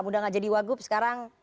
mudah gak jadi wagup sekarang